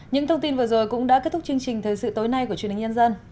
những thông tin vừa rồi cũng đã kết thúc chương trình thời sự tối nay của truyền hình nhân dân